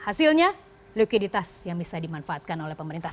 hasilnya likuiditas yang bisa dimanfaatkan oleh pemerintah